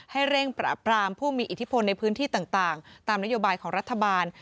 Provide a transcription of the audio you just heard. ให้เร่งปราบรามผู้มีอิทธิพลในพื้นที่ต่างตามนโยบายของรัฐบาล